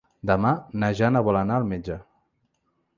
Demà na Jana vol anar al metge.